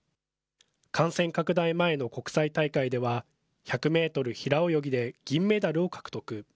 感染拡大前の国際大会では、１００メートル平泳ぎで銀メダルを獲得。